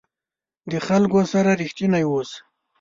د خلکو سره رښتینی اوسه.